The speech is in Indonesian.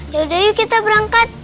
yaudah yuk kita berangkat